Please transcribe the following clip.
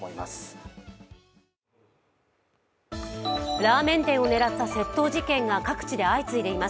ラーメン店を狙った窃盗事件が各地で相次いでいます。